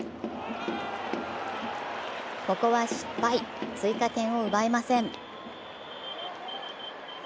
ここは失敗、追加点を奪えません。